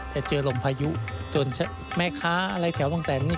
จะเจอลมพายุจนแม่ค้าอะไรแถวบางแสนนี่